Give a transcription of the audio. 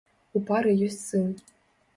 У пары ёсць сын.